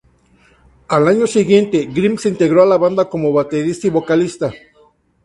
Al año siguiente, Grimm se integró a la banda como baterista y vocalista.